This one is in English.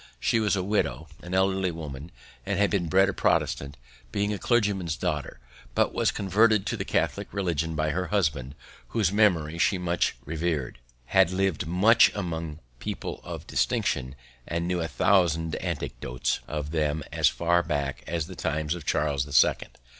She was a widow, an elderly woman; had been bred a Protestant, being a clergyman's daughter, but was converted to the Catholic religion by her husband, whose memory she much revered; had lived much among people of distinction, and knew a thousand anecdotes of them as far back as the times of Charles the Second.